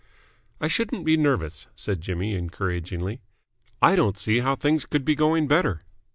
"I shouldn't be nervous," said Jimmy encouragingly. "I don't see how things could be going better."